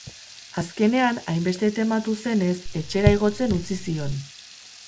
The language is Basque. Azkenean, hainbeste tematu zenez, etxera igotzen utzi zion.